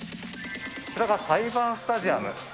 これがサイバースタジアム。